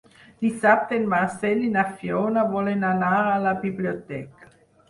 Dissabte en Marcel i na Fiona volen anar a la biblioteca.